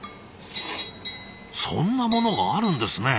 そんなものがあるんですね。